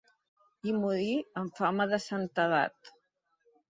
Hi morí amb fama de santedat.